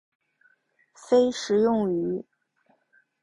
非食用鱼。